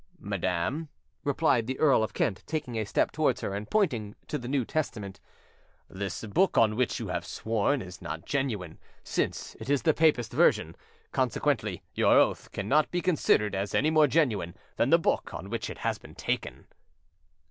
"Madam," replied the Earl of Kent, taking a step towards her and pointing to the New Testament; "this book on which you have sworn is not genuine, since it is the papist version; consequently, your oath cannot be considered as any more genuine than the book on which it has been taken."